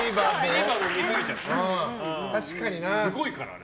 すごいから。